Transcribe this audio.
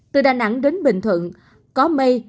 từ đà nẵng đến bình thuận có mây